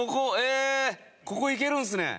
ここ行けるんですね。